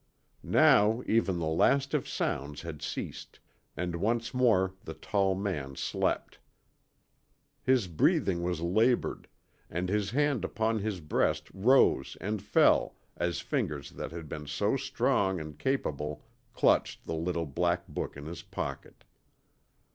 Now even the last of sounds had ceased, and once more the tall man slept. His breathing was labored, and his hand upon his breast rose and fell as fingers that had been so strong and capable clutched the little black book in his pocket.